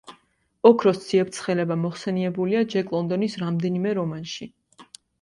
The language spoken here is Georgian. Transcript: ოქროს ციებ-ცხელება მოხსენიებულია ჯეკ ლონდონის რამდენიმე რომანში.